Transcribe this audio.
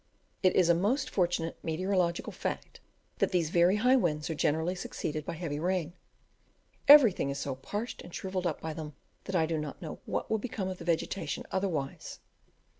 It is a most fortunate meteorological fact that these very high winds are generally succeeded by heavy rain; everything is so parched and shrivelled up by them that I do not know what would become of the vegetation otherwise.